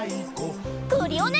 クリオネ！